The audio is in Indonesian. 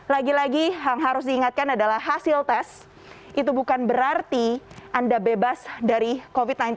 lagi lagi yang harus diingatkan adalah hasil tes itu bukan berarti anda bebas dari covid sembilan belas